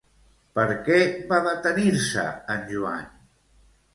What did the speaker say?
Per què va detenir-se en Joan?